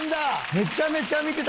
めちゃめちゃ見てた。